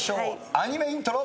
アニメイントロ。